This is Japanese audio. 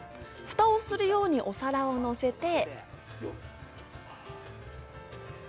蓋をするようにお皿を乗せて。